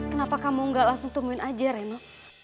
kenapa kamu nggak langsung temuin aja reno